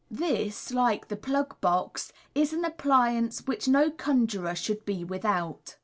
This, like the plug box, is an appliance which no conjuror should be without.